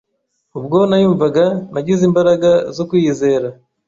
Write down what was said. ubwo nayumvaga, nagize imbaraga zo kwiyizera